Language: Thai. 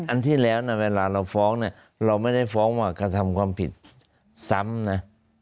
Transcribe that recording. อันที่แล้วนะเวลาเราฟ้องเนี่ยเราไม่ได้ฟ้องว่ากระทำความผิดซ้ำนะ